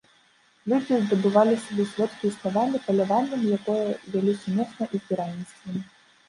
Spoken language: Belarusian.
Людзі здабывалі сабе сродкі існавання паляваннем, якое вялі сумесна, і збіральніцтвам.